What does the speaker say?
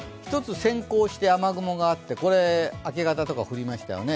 先行して雨雲があって明け方とか降りましたよね。